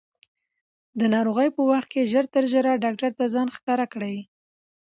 د ناروغۍ په وخت کې ژر تر ژره ډاکټر ته ځان ښکاره کړئ.